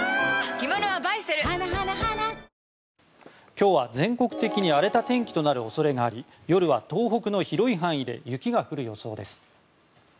今日は全国的に荒れた天気となる恐れがあり夜は東北の広い範囲で雪が降る予想です。